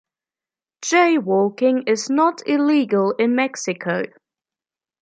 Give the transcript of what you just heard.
Jaywalking is not illegal in Mexico.